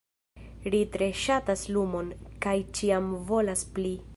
Ri tre ŝatas lumon, kaj ĉiam volas pli.